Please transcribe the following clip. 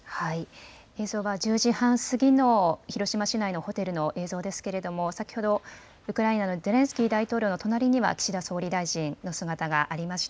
映像は１０時半過ぎの広島市内のホテルの映像ですけれども、先ほどウクライナのゼレンスキー大統領の隣には岸田総理大臣の姿がありました。